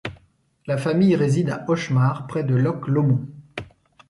La famille réside à Auchmar, près de Loch Lomond.